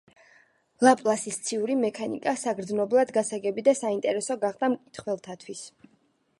ლაპლასის ციური მექანიკა საგრძნობლად გასაგები და საინტერესო გახდა მკითხველთათვის.